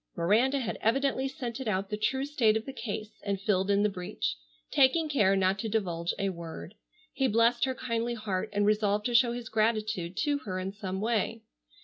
Miranda had evidently scented out the true state of the case and filled in the breach, taking care not to divulge a word. He blest her kindly heart and resolved to show his gratitude to her in some way.